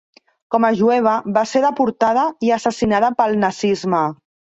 Com a jueva, va ser deportada i assassinada pel nazisme.